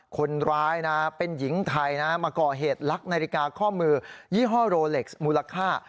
คนร้ายนะเป็นหญิงไทยนะมาก่อเหตุลักษณ์นาฬิกาข้อมือยี่ห้อโรเล็กซ์มูลค่า